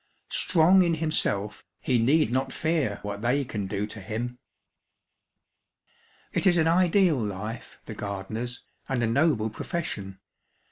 Strong in himself, he need not fear what they can do to him. It is an ideal life, the gardener's, and a noble profession.